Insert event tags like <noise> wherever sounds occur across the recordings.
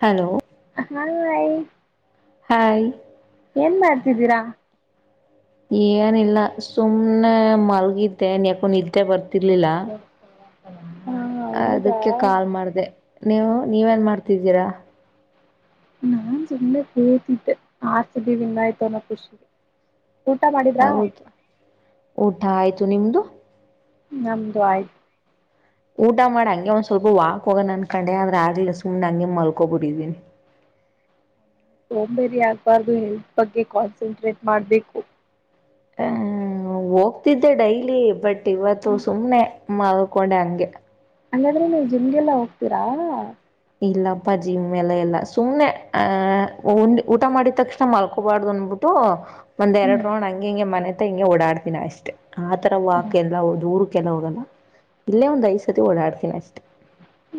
Hello. <inaudible> Hi <unintelligible> ದ್ದೀರಾ ಏನಿಲ್ಲ ಸುಮ್ನೆ ಮಲ್ಗಿದ್ದೆ <unintelligible> ನಿದ್ದೆ ಬರ್ತಿರ್ಲಿಲ್ಲ ಹಾ ಹೌದಾ ಅದಕ್ಕೆ ಕಾಲ್ ಮಾಡ್ದೇ ನೀವು ನೀವೇನ್ ಮಾಡ್ತಿದ್ದೀರಾ ನಾನ್ ಸುಮ್ನೆ ಕೂತಿದ್ದೆ ಆರ್ ಸಿ ಬಿ ವಿನ್ ಆಯಿತು ಅನ್ನೋ ಖುಷಿ ಹೌದು ಊಟ ಆಯ್ತು ು ನಿಮ್ಮದು ನಮ್ದ ಆಯ್ತು ಊಟ ಮಾಡ ಹಂಗೆ ಒಂದ್ ಸ್ವಲ್ಪ ವಾಕ್ ಹೋಗನ ಅನ್ಕಂಡೆ ಆದ್ರ ಆಗ್ಲಿಲ್ಲ ಸುಮ್ನೆ ಹಂಗೆ ಮಲ್ಕೊಬಿಟ್ಟಿದ್ದೀನಿ ಸೋಮ್ಬೇರಿ ಆಗ್ಬಾರ್ದು ಹೆಲ್ತ್ ಬಗ್ಗೆ ಕಾನ್ಸಂಟ್ರೇಟ್ ಮಾಡ್ಬೇಕು ಹ ಹೋಗ್ತಿದ್ದೆ ಡೈಲಿ ಬಟ್ ಇವತ್ತುು ಸುಮನೆ ಮಲ್ಕೊಂಡೆ ಹಂಗೆ ಹಂಗಾದ್ರೆ ನೀವು ಜಿಮ್ಗೆಲ್ಲಾ ಹೋಗ್ತೀರಾ ಇಲ್ಲಪ್ಪ ಜಿಮ್ ಮೆಲೆ ಎಲ್ಲಾ ಸುಮ್ನೆ ಆಹ್ ಉಂಡ ಊಟ ಮಾಡಿದ ತಕ್ಷಣ ಮಲ್ಕೋಬಾರ್ದು ಅನ್ಬಿಟ್ಟು ಒಂದೆರೆಡ ಹ್ಮ್ ರೌಂಡ್ ಹಂಗೆಂಗಿ ಮನೆತ್ ಓಡಾಡ್ತಿನ ಅಷ್ಟೇ ಆ ತರ ವಾಕ ಹ್ಮ್ ಎಲ್ಲ ದೂರು ಕೆ ಹೋಗಲ್ಲ ಇಲ್ಲೇ ಒಂದ್ ಐದ ಸತಿ ಓಡಾಡ್ತೀನಿ ಅಷ್ಟೆ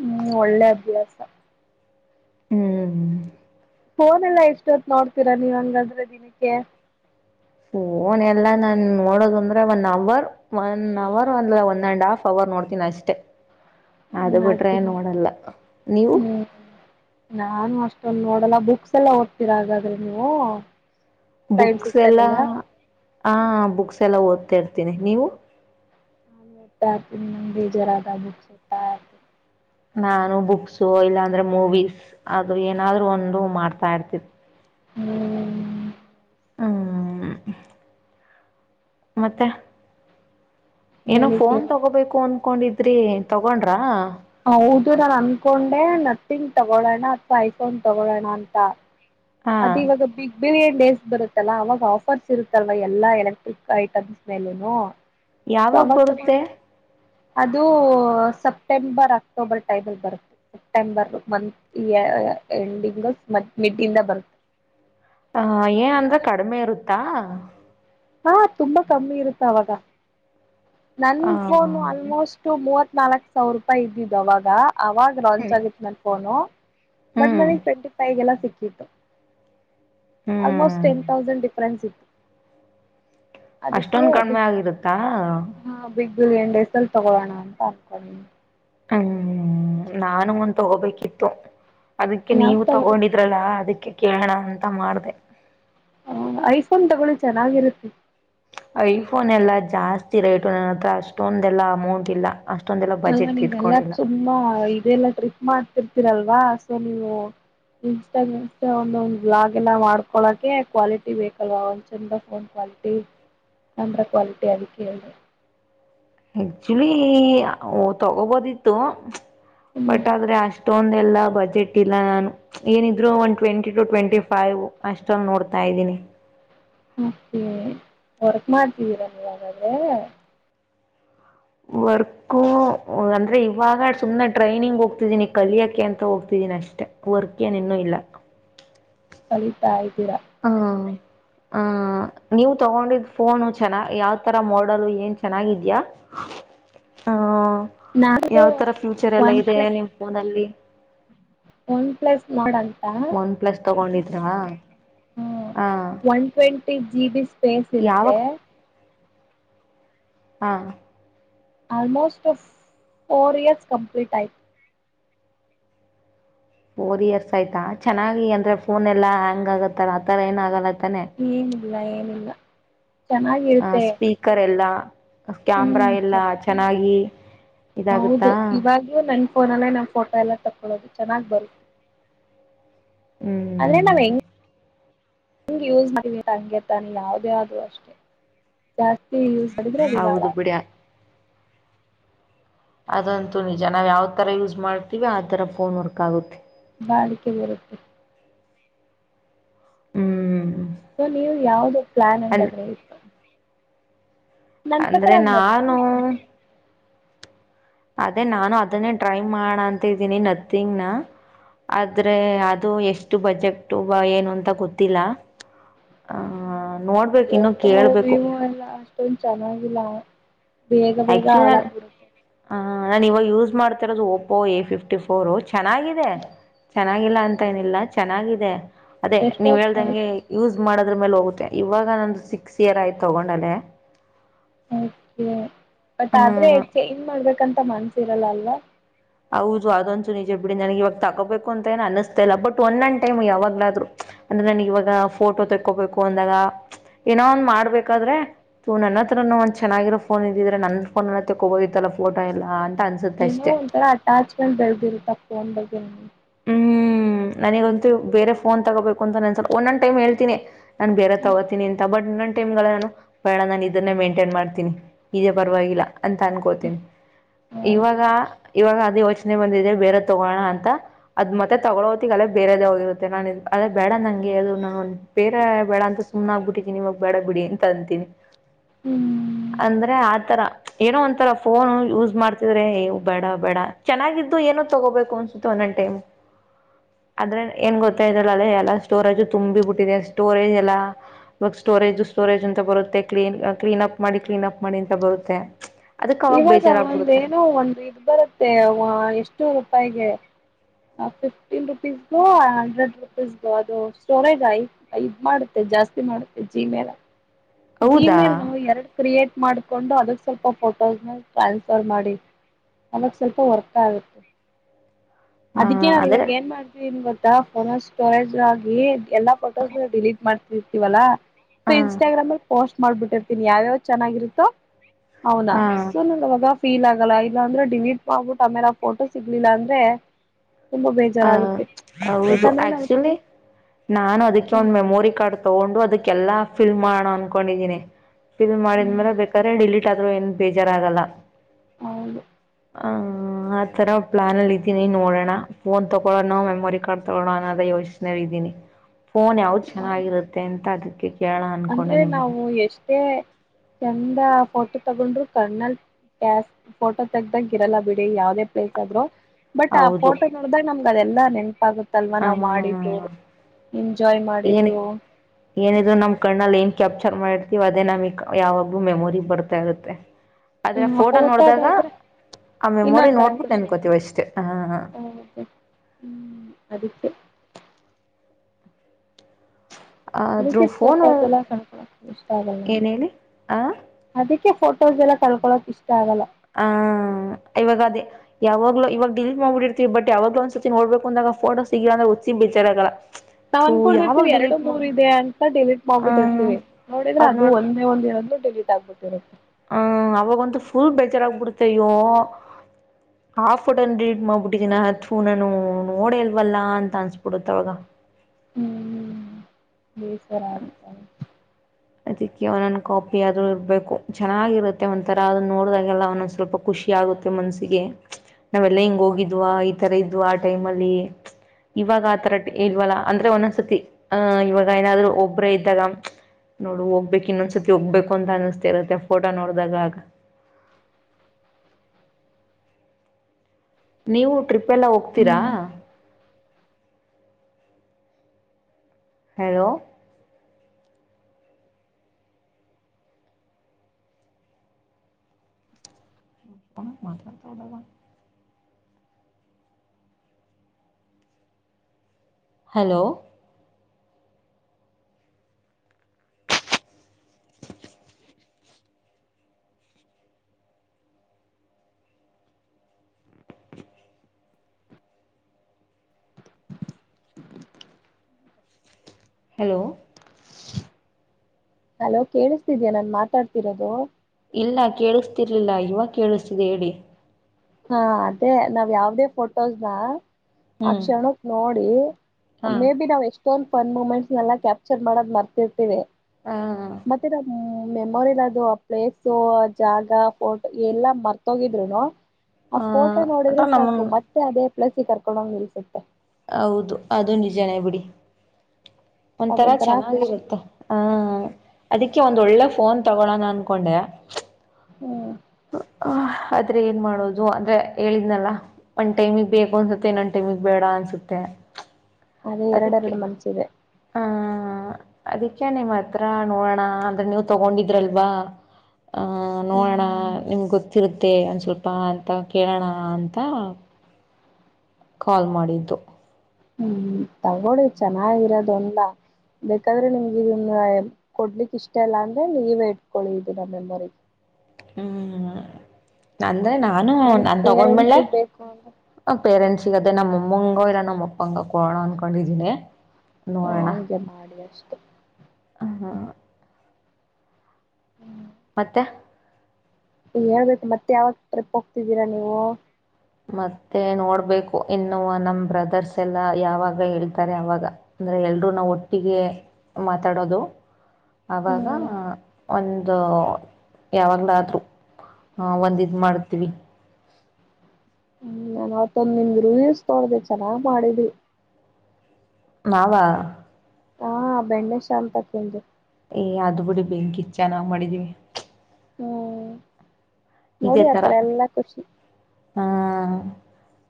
ಹ್ಮ್ ಒಳ್ಳೆ ಅಭ್ಯಾಸ ಹ್ಮ ಫೋನ್ ಎಲ್ಲಾ ಎಷ್ಟೊತ್ ನೋಡ್ತೀರಾ ನೀವ್ ಹಂಗಂದ್ರೆ ದಿನಕ್ಕೆ ಫೋನ್ ಎಲ್ಲಾ ನಾನ್ ನೋಡೋದು ಅಂದ್ರೆ ಒನ್ ಅವರ್ ಒನ್ ಅವರ್ ಅಂದ ಒನ್ ಅಂಡ್ ಹಾಫ್ ಅವರ್ ನೋಡ್ತೀನಿ ಅಷ್ಟೆ ಅದು ಬಿಟ್ರೆ ಹ್ಮ ನೋಡಲ್ಲ ನೀವು ನಾನು ಅಷ್ಟೊ ನೋಡಲ್ಲ ಕ್ಸ ಎಲ್ಲ ಹೋಗ್ತೀರಾ ಹಾಗಾದ್ರೆ ನೀವು ಟೈಮ್ ಬುಕ್ಸ್ ಎಲ್ಲಾ ಸಿಗ್ತಾಗೆಲ್ಲ ಹಾ ಬುಕ್ಸ ಎಲ್ಲ ಓದ್ತಾ ಇರ್ತೀನಿ ನೀವು ನಾ ಓದ್ತಾ ಇರ್ತೀನಿ ನಂಗ್ ಬೇಜಾರಾದಾಗ ಬುಕ್ಸ ಓದ್ತಾ ಇರ್ತೀನಿ ನಾನು ಬುಕ್ಸು ಇಲ್ಲಾಂದ್ರೆ ಮೂವೀಸ್ ಅದು ಏನಾದ್ರೂ ಒಂದು ಮಾಡ್ತಾ ಇರ್ತಿತಿ ಹ್ಮ ಹ್ಮ ಮತ್ತೆ ಏನೋ ಹೇಳಿ ಫೋನ್ ಕೇಳು ತಗೋಬೇಕು ಅಂತ ತಕೊಂಡಿದ್ರಿ ತಗೊಂಡ್ರ ಟಿಂಗ್ ತಗೊಳೋಣ ಅಥ್ವಾ ಐಫೋನ್ ತಗೊಳೋಣ ಅಂತ ಅದ ಹಾಂ ಇವಾಗ ಬಿಗ್ ಬಿರಿಯಾನಿ ಸ್ ಬರುತ್ತಲ್ಲಾ ಅವಾಗ ಆಫರ್ಸ್ ಇರುತ್ತಲ್ವ ಎಲ್ಲಾ ಎಲೆಕ್ಟ್ರಿಕ್ ಐಟಮ್ಸ್ ಮೇಲೇನು ಯಾವಾಗ ಬರುತ್ತೆ ಅದು ಸೆಪ್ಟೆಂಬರ್ ಅಕ್ಟೋಬರ್ ಟೈಮಲ್ಲಿ ಬರುತ್ತೆ, ಸೆಪ್ಟೆಂಬರ್ತ್ ಎಂಡಿಂಗ್ ಮ ಮಿಡ್ಡಿಂದ ಬರುತ್ತೆ. ಹ ಏನು ಅಂದ್ರೆ ಕಡಿಮೆ ಇರುತ್ತಾ ಹಾ ತುಂಬಾ ಕಮ್ಮಿ ಇರುತ್ತೆ ಅವಾಗ ನನ್ ಫೋನು ಹ್ಞೂ ಆಲ್ಮೋಸ್ಟ್ ಮೂವತ್ತು ನಾಲಕ್ಕು ಸಾವಿರ ರೂಪಾಯಿ ಇದ್ದಿದ್ದು ಅವಾಗ. ಆವಾಗ ಲಾಂಚ್ ಆಗಿತ್ತು ನನ್ ಫೋನು ಹ್ಞೂ ಬಟ್ ನನಗ್ ಟ್ವೆಂಟ ಫೈವ್ ಎಲ್ಲ ಸಿಕ್ ಇತ್ತು ಹ್ಞೂ ಆಲ್ಮೋಸ್ಟ ಟೆನ್ ಥೌಸಂಡ್ ಡಿಫ್ರೆನ್ಸ ಇತ್ ಅಷ್ಟೊಂದು ಕಡಿಮೆ ಆಗಿರುತ್ತಾ ಟೆನ್ ಡೇಸಲಿ ತಗೊಳ್ಳೋಣ ಅಂತ ಅನ್ಕೊಂಡಿದ್ದೀನಿ ಹ್ಮ ನಾನು ಒಂದು ತಗೋಬೇಕಿತ್ತು. ಅದಕ್ಕೆ, ನೀವು ಯಾವ್ದ್ ತಗೋಬೇಕ ತಗೊಂಡಿದ್ರಲ್ಲಾ ಅದಕ್ಕೆ ಕೇಳಣ ಅಂತ ಮಾಡ್ದೆ. ಹ, ಐಫೋನ್ ತಗೋಳಿ ಚೆನ್ನಾಗಿರುತ್ತೆ. ಐಫೋನ್ ಎಲ್ಲಾ ಜಾಸ್ತಿ ರೇಟು, ನನ್ ಹತ್ರ ಅಷ್ಟೊಂದೆಲ್ಲಾ ಅಮೌಂಟ್ ಇಲ್ಲ. ಅಷ್ಟೊಂದೆಲ್ಲ ಅಲ್ಲ, ಬಜೆಟ್ ನೀವೆಲ್ಲಾ ಇಟ್ಕೊಂಡಿಲ್ಲ ತುಂಬಾ ಇದೆಲ್ಲಾ ಟ್ರಿಪ್ ಮಾಡ್ತಿರ್ತೀರಲ್ ವ ಸೊ ನೀವು ಇನ್ಸ್ಟಾಗ್ರಾಮ್ ಒಂದ್ ಬ್ಲಾಗ್ ಎಲ್ಲ ಮಾಡ್ಕೊಳಕೆ ಕ್ವಾಲಿಟಿ ಬೇಕಲ್ವಾ, ಒಂದ್ ಚಂದ ಫೋನ್ ಕ್ವಾಲಿಟಿ, ಕ್ಯಾಮರಾ ಕ್ವಾಲಿಟಿ ಅದಕ್ಕೆ ಹೇಳಿದೆ. ಆಕ್ಚುಲಿ ಓ ತಗೋಬೌದಿತ್ತು ಹ್ಮ್ ಬಟ್ ಆದ್ರೆ ಅಷ್ಟ್ ಫೋನ್ದೆಲ್ಲ ಬಜೆಟ್ ಇಲ್ಲ ನಾನು. ಏನಿದ್ರು, ಒನ್ ಟ್ವೆಂಟಿ ಲು ಟ್ವೆಂಟಿ ಫೈವ್ ಅಷ್ಟರಲ್ಲಿ ನೋಡ್ತಾ ಇದ್ದೀನಿ. ಓಕೆ, ವರ್ಕ್ ಮಾಡ್ತಿದ್ದೀರಾ ನೀವ ಹಾಗಾದ್ರೆ? ವರ್ಕೂ ಅಂದ್ರೆ ಇವಾಗ ಸುಮ್ನೆ ಟ್ರೈನಿಂಗ್ ಹೋಗ್ತಿದ್ದೀನಿ, ಕಲಿಯಕೆ ಅಂತ ಹೋಗ್ತಿದೀನಿ ಅಷ್ಟೆ, ವರ್ಕ್ ಏನ್ ಇನ್ನು ಇಲ್ಲ. ಕಲಿತಾ ಇದ್ದೀರಾ ಹಾಂ ಹಾಂ ನೀವು ತಗೊಂಡಿದ್ ಫೋನು ಚನ್ನಾಗ್ ಯಾವ ತರ ಮಾಡಲು, ಏನ್ ಚೆನ್ನಾಗಿದ್ಯಾ? ಹಾಂ ನಾಡ್ದು ಯಾವ ತರ ಫ್ಯೂಚರ್ ಎಲ್ಲ ಒನ್ ಇದೆ ಪ್ಲಸ್ ನಿಮ್ಮ ಫೋನಲ್ಲಿ? One plus model one plus ತಗೊಂಡಿದ್ರಾ? ಹಾಂ ಹ one twenty GB space ಯಾವಾಗ ಇರುತ್ತೆ. ಹಾಂ ಆಲ್ಮೋಸ್ಟ್ ಫೋರ್ ಇಯರ್ಸ್ ಕಂಪ್ಲೀಟ್ ಆಯ್ತು. ಫೋರ್ ಇಯರ್ಸ್ ಆಯ್ತಾ ಚೆನ್ನಾಗಿ ಅಂದ್ರೆ ಫೋನ್ ಎಲ್ಲ ಹ್ಯಾಂಗ್ ಆಗತ್ತಲ್ಲ ಆತರ ಏನ ಆಗಲ ಏನಿಲ್ಲ ಏನಿಲ್ಲ ಆ ಚೆನ್ನಾಗಿರುತ್ತೆ. ಸ್ಪೀಕರ್ ಎಲ್ಲ ಕ್ಯಾಮ್ರಾ ಎಲ್ಲ ಹ್ಮ್ ಚೆನ್ನಾಗಿ ಹೌದು ಇದಾಗುತ್ತಾ ಇವಾಗ್ಲೂ ನನ್ ಫೋನಲ್ಲೇ ನಾವು ಫೋಟೋ ಎಲ್ಲ ತಕೊಳ್ಳೋದು ಚೆನ್ನಾಗ್ ಬರು ಅಲ್ಲ ನಾವ್ ಹ್ಮ್ ಹೆಂಗ್ ಎಂಗ್ ಯೂಸ್ ಮಾಡಿದಿರಾ ಹಂಗೆ ತಾನೆ ಯಾವ್ದೇ ಆದ್ರೂ ಅಷ್ಟೇ ಜಾಸ್ ತಿ ಯೂಸ್ ಮಾಡುದ್ರೆ ಅಲ್ಲಿಗ್ ಹೌದು ಹಾಳಾ ಬಿಡಿ ಅದಂತೂ ನಿಜ ನಾವ್ ಯಾವ್ ತರ ಯೂಸ್ ಮಾಡ್ತೀವಿ ಆ ತರ ಫೋನ್ ವರ್ಕ್ ಆಗುತ್ತೆ. ಬಾಳಿಕೆ ಬರುತ್ತೆ. ಹ್ಮ್ ಸೊ ನೀವು ಯಾವ್ದ್ ಪ್ಲಾನ್ ಅ ಹಂಗಾದ್ರೆ <inaudible> ನನ್ನ ಪ್ರಕಾರ ಅಂದ್ರೆ ಅದು ನಾನು ನಥಿಂಗ್ ಚೆನ್ನಾಗಿರುತ್ತೆ ಅದೇ ನಾನು ಅದನ್ನೇ ಡ್ರೈ ಮಾಡಂತಿದೀನಿ <unintelligible> ನತಿಂಗ್ ನ ಆದ್ರೆ ಅದು ಎಷ್ಟ ಷ್ಟು ಬಜೆಕ್ಟ್ ಏನು ಅಂತ ಗೊತ್ತಿಲ್ಲ ಆ ನೋಡ್ಬೇಕು ಇನ್ನೂ ಓಪ್ಪೋ ಕೇಳಬೇಕು ವಿವೋ ಎಲ್ಲ ಅಷ್ಟೊ ಚೆನ್ನಾಗಿಲ್ಲಾ ಬೇಗ ಬೇಗ ಆಳಾಗ್ಬಿಡುತೆ ಹಂ ನಾನು ಇವಾಗ ಯೂಸ್ ಮಾಡ್ತಿರೋದು ಓಪ್ಪೋ ಎ ಫಿಫ್ಟಿ ಫೋರು ಚೆನ್ನಾಗಿದೆ ಚೆನ್ನಾಗಿಲ್ಲ ಅಂತ ಏನಿಲ್ಲ ಚೆನ್ನಾಗಿದೆ ಅದೇ ಎಷ್ಟು ನೀವ್ ವರ್ಷ ಹೇಳ್ದಂಗೆ ಆಯಿತು ಯೂಸ್ ಮಾಡದ ಅದ್ರ ಮೇಲೆ ಹೋಗುತ್ತೆ ಇವಾಗ ನಂದು ಸಿಕ್ಸ್ ಇಯರ್ ಆಯ್ತು ತಗೊಂಡಲ್ಲೇ ಓಕೆ ಬಟ್ ಆದ್ರೆ ಚೇಂಜ್ ಮಾಡಬೇಕ್ ಅಕಂತ ಮನ್ಸ ಇರಲ್ಲ ಅಲ್ವಾ ಹೌದು ಅದೊಂದುಸು ನಿಜ ಬಿಡಿ ನನಗ್ ಇವಾಗ ತಗೋಬೇಕು ಅಂತ ಏ ಅನಿಸ್ತಾ ಇಲ್ಲ ಬಟ್ ಒನ್ ಒನ್ ಟೈಮ್ ಯಾವಾಗ್ಲಾದ್ರು ಅಂದ್ರೆ ನನ್ ಇವಾಗ ಫೋಟೋ ತಕ್ಕೋಬೇಕು ಅಂದಾಗ ಏನೋ ಒಂದ್ ಮಾಡ್ಬೇಕಾದ್ರೆ ನನ್ನ ಹತ್ರನು ಒಂದ ಚೆನ್ನಾಗಿರೋ ಫೋನ್ ಇದಿದ್ರೆ ನನ್ ಫೋನ್ ತಕೋಬೋದಿತ್ತಲ್ಲ ಫೋಟೋ ಎಲ್ಲಾ ಚನ್ಸುತ್ತೆ <unintelligible> ಅಷ್ಟೇ ಟಾಚ್ ಗಳು ಬೆಳೆದಿರುತ್ತ ಫೋನ್ ಬಗ್ಗೆ ಹ್ಮ್ ನನಗಂತು ಬೇರೆ ಫೋನ್ ತಗೋಬೇಕು ಅಂತಾನೇಣ್ಸಲ್ಲ ಒನ್ ಒಂದ್ ಟೈಮ್ ಹೇಳ್ತೀನಿ ನಾನ್ ಬೇರೆ ತಗೋತೀನಿ ಅಂತ ಬಟ್ <unintelligible> ಟೈಮ್ಗಳ ನಾನು ಬಹಳ ನಾನು ಇದನ್ನ ಮೇಂಟೈನ್ ಮಾಡ್ತೀನಿ ಇದೇ ಪರವಾಗಿಲ್ಲ ಅಂತ ಅನ್ಕೋತೀನಿ ಇವಾಗ ಇವಾಗ ಅದ ಯೋಚನೆ ಬಂದಿದೆ ಬೇರೆ ತಗೋಣ ಅಂತ ಅದ್ ಮತ್ತೆ ತಗೊಳ್ಳೋತ್ತಿಗ್ ಅಲ್ಲೇ ಬೇರೆದೇ ಹೋಗಿರುತ್ತೆ ನಾನ ಅದೇ ಬೇಡ ನಂಗೆ ಅದು ನಾನ್ ಬೇಡ್ವೇ ಬೇಡ ಅಂತ ಸುಮ್ನ್ ಆಗ್ಬಿಟ್ಟಿದೀನಿ ಇವಾಗ್ ಬೇಡ ಬಿಡಿ ಅಂತ್ ಅಂತೀನಿ, ಹ್ಞೂ ಅಂದ್ರೆ ಆತರ ಏನೋ ಒಂಥರ ಫೋನ್ ಯೂಸ್ ಮಾಡ್ತಿದ್ರೆ ಏಹ್ ಬೇಡ ಬೇಡ ಚೆನ್ನಾಗಿದ್ದು ಏನುಗ್ ತಗೋಬೇಕು ಅನ್ಸುತ್ ಒನ್ನೋನ್ ಟೈಮು ಆದ್ರೆ ಏನ್ ಗೊತ್ತ ಇದ್ರಲ್ ಆಗ್ಲೆ ಎಲ್ಲ ಸ್ಟೋರೇಜು ತುಂಬಿಬಿಟ್ಟಿದೆ, ಸ್ಟೋರೇಜ್ ಎಲ್ಲಾ ಸ್ಟೋರೇಜು ಸ್ಟೋರೇಜ್ ಅಂತ ಬರುತ್ತೆ ಕ್ಲೀನ್ ಕ್ಲೀನ್ ಅಪ್ ಮಾಡಿ ಕ್ಲೀನ್ ಅಪ್ ಮಾಡಿ ಅಂತ ಬರುತ್ತೆ ಅದಕ್ಕೆ ಅವಾಗ ಇವಾಗ ಬೇಜಾರಾಗ್ಬಿಡುತ್ತೆ ಒಂದೇನೋ ಒಂದ್ ಇದ್ ಬರುತ್ತೆ ವಾ ಎಷ್ಟು. ರುಫೈಗೆ ಫಿಫ್ಟೀನ್ ರುಪೀಸ್ಗೋ ಹಂಡ್ರೆಡ್ ರುಪೀಸ್ಗು ಅದು ಸ್ಟೋರೇಜ್ ಐ ಐಡ್ ಮಾಡುತ್ತೆ ಜಾಸ್ತಿ ಮಾಡುತ್ತೆ ಜಿ ಮೇಲೆ. ಹೌದಾ ಜಿಮೇಲ್ನು ಎರಡ್ ಕ್ರಿಯೇಟ್ ಮಾಡ್ಕೊಂಡು ಅದ್ ಸ್ವಲ್ಪ ಫೋಟೋಸ್ನ ಟ್ರಾನ್ಸ್ಫರ್ ಮಾಡಿ, ಅವಗ್ ಸ್ವಲ್ಪ ವರ್ಕ್ ಆಗುತ್ತೆ. ಹ ಅದಿಕ್ಕೆ ನಾನ್ ಅಂದ್ರೆ ಇವಾಗ ಏನ್ ಮಾಡ್ತಿದೀನಿ ಗೊತ್. ತಾ ಫೋನಲ್ ಸ್ಟೋರೇಜ್ ಆಗಿ ಎಲ್ಲ ಪೋಟೋಸ್ನ ಡಿಲಿಟ್ ಮಾದ್ ಇವಲ್ಲಾ. ಹ ಟು ಇನ್ಸ್ಟಾಗ್ರಾಮಲ್ ಪೋಸ್ ಮಾಡ್ಬಿಟ್ಟಿರ್ತೀನಿ ಯಾವ್ಯಾವ್ ಚೆನ್ನಾಗಿರುತ್ತೋ ಅವ್ನ ಸೊ ಹ ನಂಗ್ ಅವಾಗ್ ಫೀಲ್ ಆಗಲ್ಲ ಇಲ್ಲಾಂದ್ರೆ ಡಿಲೀಟ್ ಮಾಡ್ಬಿಟ್ಟು ಆಮೇಲೆ ಆ ಫೋಟೋ ಸಿಗ್ಲಿಲ್ಲ ಅಂದ್ರೆ. ತುಂಬಾ ಹ ಬೇಜಾರಾಗುತ್ತೆ ಹೌದು ಯಾಕಂದ್ರೆ ನಾವು ಆಕ್ಚುಲಿ ನಾನು ಅದಕ್ಕೆ ಒಂದು ಮೆಮೋರಿ ಕಾರ್ಡ್ ತಗೊಂಡು ಅದ್ ಅದಕ್ಕೆಲ್ಲಾ ಫಿಲ್ ಮಾಣ ಅನ್ಕೊಂಡಿದೀನಿ. ಇದು ಹ್ಮ್ ಮಾಡಿದ್ಮೇಲೆ ಬೇಕಾರೆ ಡಿಲೀ ಟ್ ಆದ್ರೂ ಏನ್ ಬೇಜಾರಾಗಲ್ಲ. ಹೌದು. ಹ ಆತರ ಪ್ಲಾನ್ ಅಲ್ಲಿ ಇದೀನಿ ನೋಡಣ. ಫೋನ್ ತಗೊಳೋಣ ಮೆಮೊರಿ ಕಾರ್ಡ್ ತಗೋಳಣ ಅನ್ನೋದ ಯೋಚನೆಲಿ ಇದೀನಿ. ಫೋನ್ ಯಾವ್ದು ಚೆನ್ನಾಗಿರುತ್ತೆ ಅಂತ ಅದುಕ್ ಅಂದ್ರೆ ನಾವು ಎಷ್ಟೇ ಚಂದಾ ಫೋಟೋ ತಗೊಂಡ್ರು ಕರ್ನಲ್ ಟ್ಯಾಸ್ ಫೋಟೋ ತೆಗ್ದಾಗ ಇರಲ್ಲ ಬಿಡಿ ಯಾವುದೇ ಪ್ಲೇಸ್ ಆದ್ರೂ. ಬಟ್ ಆ ಹೌದು ಫೋಟೋ ನೋಡ್ದಾಗ ನಮ್ಗ್ ಅದೆಲ್ಲ ನೆನ್ ಆಗುತ್ತಲ್ವಾ ನಾವ್ ಮಾಡಿದ್ದು ಹ ಎಂಜಾಯ್ ನೆ ಮಾಡಿದ್ದು. ಏನಿದ್ರು ನಮ್ ಕಣ್ಣಲ್ಲಿ ಏನ್ ಕ್ಯಾಪ್ಚರ್ ಮಾಡಿರ್ತೀವೋ ಅದೇ ನಮಿಗ್ ಯಾವಾಗ್ಲೂ ಮೆಮೊರಿ ಬರ್ತಾ ಇರುತ್ತೆ. ಆದರೆ ಹ್ಮ್ ಫೋಟೋ ನೋಡಿದಾಗ ಫೋಟೋದಾದ್ರೆ ಆ ಮೆಮೊರಿ ಇನ್ನೊಂದ್ ತರ ನೋಡ್ಬಿಟ್ಟು ಖುಷಿ ಹೌದು ನೆನ್ಕೋತೀವಿ ಅಷ್ಟೇ ಹ ಹ್ಮ್ ಅದೀಕ್ಕೆ ಆದರೂ ಕಳಿಸಿದ ಫೋನು ಫೋಟೋಸ ಎಲ್ಲಾ ಕಲ್ಕೋಳಕ್ ಇಷ್ಟ ಆಗಲಾ ನಂಗೆ ಏನು ಹೇಳಿ ಅದಿ ಕ್ಕೆ ಫೋಟೋಸ್ ಎಲ್ಲ ಕಳ್ಕೊಳಕ್ ಇಷ್ಟ ಆಗಲ್ಲ. ಆ ಇವಾಗ ಅದೇ ಯಾವಾಗಲೊ ಇವಾಗ ಡಿಲೀಟ್ ಮಾಡ್ಬಿಟ್ಟಿರ್ತೀವಿ ಬಟ್ ಯಾವಾಗ್ಲೋ ಒಂದ್ಸತಿ ನೋಡ್ಬೇಕು ಅಂದಾಗ ಫೋಟೋ ಸಿಗಲಿಲ್ಲ ಅಂದ್ರೆ ಹೊಸಿ ಬೇಜಾರ ಆಗಲ್ಲ. ನಾವ್ ಅನ್ಕೊಂಡಿರ್ತೀವಿ ಎರಡು ಮೂರ್ ಇದೆ ಅಂತ ಡಿಲಿ ಹೋಗ್ಬಿಟ್ಟಿರ್ತೀವಿ ನೋಡಿದ್ರೆ ಅದು ಒಂದೇ ಒಂದ್ ಇರದು. ಟು ಡಿಲೀಟ್ ಆಗ್ಬಿಟ್ಟಿರುತ್ತೆ. ಹ ಅವಾಗಂತು ಫುಲ್ ಬೇಜಾರಾಗ್ ಬಿಡುತ್ತೆ ಅಯ್ಯೋ ಆ ಫೋಟೋನ್ ಡಿಲೀಟ್ ಮಾಡ್ಬಿಟ್ಟಿದನ ಥು ನಾನು ನೋಡೇ ಇಲ್ವಲ್ಲ ಅಂತ ಅನ್ಸ್ಬಿಡುತ್ ಅವಾಗ. ಹ್ಮ್ ಬೇಸರ ಆಗುತ್ತ ಅದಕ್ಕೆ ಒಂನ್ನೋನ್ ಕಾಪಿ ಆದ್ರು ಇರ್ಬೇಕು ಚೆನ್ನಾಗಿರುತ್ತೆ ಒಂಥರಾ ಅದನ್ನ ನೋಡ್ದಾಗೆಲ್ಲ ಒಂದೊಂದ್ ಸ್ವಲ್ಪ ಖುಷಿ ಆಗುತ್ತೆ. ಮನ್ಸಿಗೆ ನಾವೆಲ್ಲಾ ಹಿಂಗ್ ಹೋಗಿದ್ವಾ ಈ ತರ ಇದ್ವಾ ಆ ಟೈಮ್ ಅಲ್ಲಿ ಇವಾಗ ಆತರ ಇಲ್ವಲ್ಲ ಅಂದ್ರೆ ಒಂದೊಂದ್ಸತಿ ಆಹ ಇವಾಗ ಏನಾದ್ರು ಒಬ್ರೇ ಇದ್ದಾಗ ನೋಡು ಹೋಗ್ಬೇಕು ಇನ್ನೊಂದ್ಸರ್ತಿ ಹೋಗ್ಬೇಕು ಅಂತ ಅನ್ನಿಸ್ತಿರತ್ತೆ ಫೋಟೋ ನೋಡ್ದಾಗಗ ನೀವು ಟ್ರಿಪ್ ಎಲ್ಲ ಹೋಗ್ತೀರಾ? ಹ್ಮ್ ಹಲೋ ಪ ಮಾತಾಡ್ ತವ್ಳಲ್ಲ ಹಲೋ ಹಲೋ ಹಲೋ ಕೇಳಿಸ್ತಿದೀಯ ನನ್ ಮಾತಾಡ್ತಿರೋದು? ಇಲ್ಲ ಕೇಳಿಸ್ತಿರ್ಲಿಲ್ಲ ಇವಾಗ್ ಕೇಳಿಸ್ತಿದೆ ಹೇಳಿ. ಹಾ ಅದೇ ನಾವ್ ಯಾವ್ದೇ ಫೋಟೋಸ್ನ ಆ ಹ್ಮ್ ಕ್ಷಣಕ್ ನೋಡ್ ನೀವು ಹಾ ಮೇ ಬಿ ನಾವ್ ಎಷ್ಟ ಷ್ಟೊನ್ ಫನ್ ಮೂಮೆಂಟ್ಸ್ನೆಲ್ಲ ಕ್ಯಾಪ್ಚರ್ ಮಾಡ್ದ್ ಮರ್ತಿರ್ತಿವಿ ಸ್ ಆ ಮತ್ತೆ <unintelligible> ರಾಮ ಮೆಮೋರಿಲ್ ಅದು ಆ ಪ್ಲೇಸು ಆ ಜಾಗ ಫೋಟೋ ಎಲ್ಲಾ ಮರ್ತೋಗಿದ್ರುನು ಆ ಫೋಟೋ ಅಟ ನೋಡಿದ್ರೆ ನಮ್ಮ ಸಾಕು ಮತ್ತೆ ಅದೇ ಪ್ಲೇಸ್ ಕರ್ಕೊಂಡಂಗ್ ನಿಲ್ಸುತ್ತೆ ಹೌದು ಅದು ನಿಜನೇ ಬಿಡಿ ಒಂಥರಾ ಅದೊಂತರ ಖುಷಿ ಚೆನ್ನಾಗಿರುತ್ತೆ ಹ ಅದಕ್ಕೆ ಒಂದ ಒಳ್ಳೆ ಫೋನ್ ತಗೋಳಣ ಅನ್ಕೊಂಡೆ ಹ್ಮ್ ಆದ್ರೆ ಏನ್ ಮಾಡೋದು ಅಂದ್ರೆ ಹೇಳಿದ್ನಲ್ಲ ಒಂದ್ ಟೈಮಿಗೆ ಬೇಕು ಅನ್ಸುತ್ತೆ ಇನ್ನೊಂದ ಟೈಮಿಗೆ ಬೇಡ ಅನ್ಸುತ್ತೆ ಅದೇ ಎರಡೆರಡು ಮನ್ಸ ಇದೆ ಹ್ಮ್ ಅದಕ್ಕೆ ನಿವ್ ಹತ್ರ ನೋಡೋಣ ಅಂದ್ರೆ ನೀವು ತಗೊಂಡಿದ್ರಲ್ವಾ ಅಹ ನೋಡೋಣ ಹ್ಮ್ ನಿಮ್ಗೆ ಗೊತ್ತಿರುತ್ತೆ ಒಂದ ಸ್ವಲ್ಪ ಅಂತ ಕೇಳೋಣ ಅಂತ ಕಾಲ್ ಮಾಡಿದ್ದು ಹ್ಮ್ ತಗೋಳ್ಳಿ ಚೆನ್ನಾಗಿರೋದೊಂದ ಬೇಕಾದ್ರೆ ನಿಮ್ಗೆ ಇದನ್ನ ಕೊಡ್ಲಿಕ್ ಇಷ್ಟ ಅಲ್ಲ ಅಂದ್ರೆ ನೀವು ಇಟ್ಕೊಳ್ಳಿ ಇ ನ ಮೆಂಬರಿಗೆ ಹ್ಮ್ ನ ಅಂದ್ರೆ ನಾನು ನಿಮ್ ನಾ ತಗೊಂಡ್ಮೇಲೆ ಪೇರೆಂಟ್ಸಿಗೆ ಬೇಕು ಅಂದ್ರೆ ಪೇರೆಂಟ್ಸ್ ಸಿಗದೇ ನಮ್ಮಮ್ಮಂಗೆ ಇಲ್ಲ ನಮ್ಮ ಅಪ್ಪಂಗೆ ಕೊಡೋಣ ಅನ್ಕೊಂಡಿದ್ದೀನಿ ಹ ನೋಡೋಣ ಅಂಗೆ ಮಾಡಿ ಅಷ್ಟೇ ಹ ಹ್ಮ್ ಮತ್ತೆ ಹೇಳ್ಬೇಕು ಮತ್ತೆ ಯಾವಾಗ ಟ್ರಿಪ್ ಹೋಗ್ತಿದ್ದೀರಾ ನೀವು ಮತ್ತೆ ನೋಡ್ಬೇಕು ಇನ್ನು ನಮ್ಮ್ ಬ್ರದರ್ಸ್ ಎಲ್ಲ ಯಾವಾಗ ಹೇಳ್ತಾರೆ ಅವಾಗ ಅಂದ್ರೆ ಎಲ್ರೂ ನಾ ಒಟ್ಟಿಗೆ ಮಾತಾಡೋದು ಅವಾಗ ಹ್ಮ್ ಒಂದು ಯಾವಾಗ್ಲಾದರೂ ಒಂದ ಇದ ಮಾಡ್ತೀವಿ ಹ್ಮ್ ನಾನವತ್ತೊಂದ ನಿಂದ ರೀಲ್ಸ್ ನೊಡ್ದೆ ಚೆನ್ನಾಗ್ ಮಾಡಿದ್ರಿ ಮಾವಾ ಹಾ ಬೆಣ್ಣೆ ಶಾಂತಕಂದು ಹೇ ಅದ್ ಬಿಡಿ ಬೆಂಕಿ ಇಚ್ ಚೆನ್ನಾಗಿ ಮಾಡಿದೀವಿ ಹ್ಮ ಇದೇ ನೋಡಿ ಆತರ ಎಲ್ಲಾ ಖುಷಿ ಹಾ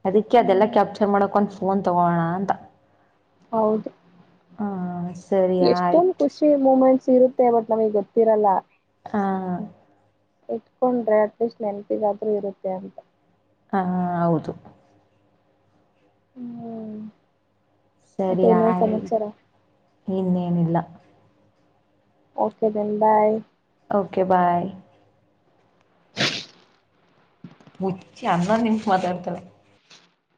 ಅದಕ್ಕೆ ಅದೆಲ್ಲ ಹ್ಮ್ ಕ್ಯಾಪ್ಚರ್ ಮಾಡಕೊಂದು ಫೋನ್ ತೊಗೋಣ ಅಂತ ಹೌದು ಹಾಂ ಸರಿ ಎಷ್ಟೊಂದು ಆಯ್ತು ಖುಷಿ ಮೂಮೆಂಟ್ಸ್ ಇರುತ್ತೆ ಬಟ್ ನಮಗ್ ಗೊತ್ತಿರಲ್ಲ ಹಾ ಇಟ್ಕೊಂಡ್ರೆ ಅಟ್ಲೀಸ್ಟ್ ನೆನಪಿಗಾದ್ರೂ ಇರುತ್ತೆ ಅಂತ ಹ ಹ ಹ ಹೌದು ಹ್ಮ್ ಮತ್ತೆ ಸರಿ ಇನ್ನೇನ್ ಆಯ್ತ. ಸಮಾಚಾರ ಇನ್ನೇನಿಲ್ಲ. Okay, then bye. Okay bye. ಹುಚ್ಚಿ, ಹನ್ನೊಂದ್ ನಿಮಷ್ ಮಾತಾಡ್ತಾಳೆ.